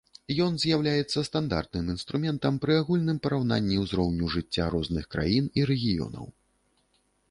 Ён з'яўляецца стандартным інструментам пры агульным параўнанні ўзроўню жыцця розных краін і рэгіёнаў.